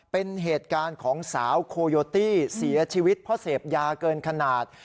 เป็นเหตุการณ์ของสาวโคโยตี้เสียชีวิตเพราะเสพยาเกินขนาด